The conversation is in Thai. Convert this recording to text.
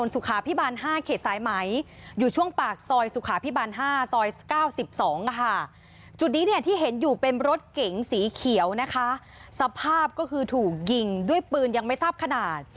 สุขาพิบัน๕ซอย๙๒จุดนี้ที่เห็นอยู่เป็นรถเก๋งสีเขียวสภาพก็คือถูกยิงด้วยปืนยังไม่ทราบขนาด